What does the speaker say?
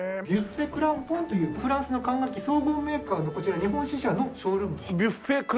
ＢＵＦＦＥＴＣＲＡＭＰＯＮというフランスの管楽器総合メーカーのこちら日本支社のショールームと。